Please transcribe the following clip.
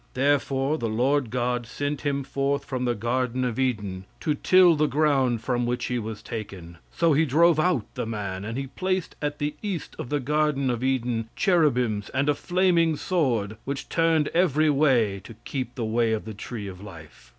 Therefore the Lord God sent him forth from the garden of Eden to till the ground from which he was taken. So he drove out the man, and he placed at the east of the garden of Eden cherubims and a flaming sword, which turned every way to keep the way of the tree of life."